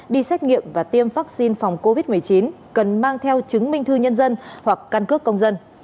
đi xét nghiệm và tiêm vaccine phòng covid một mươi chín cần mang theo chứng minh thư nhân dân hoặc căn cước công dân